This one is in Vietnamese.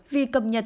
vì cập nhật